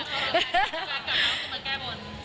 แล้วตอนนั้นก็กลับมาก็มาแก้บน